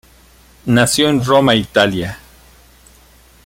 Nació en Roma, Italia.